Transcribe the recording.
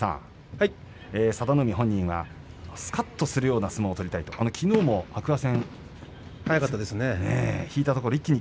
佐田の海本人は、すかっとするような相撲を取りたいと速かったですね。